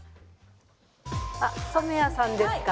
染谷さんですか？